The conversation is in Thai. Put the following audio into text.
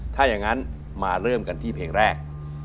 ถ้าอย่างนั้นมาเริ่มกันที่เพลงแรก